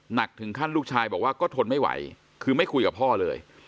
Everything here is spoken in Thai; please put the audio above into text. หนักถึงขั้นลูกชายบอกว่าก็ทนไม่ไหวคือไม่คุยกับพ่อเลย